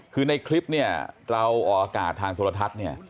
คือในคลิปเราออกอากาศทางโทรธัศน์